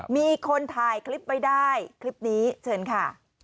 มีคนถ่ายคลิปไว้ได้คลิปนี้เชิญค่ะ